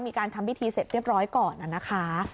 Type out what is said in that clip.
มีการทำพิธีเสร็จเรียบร้อยก่อนนะคะ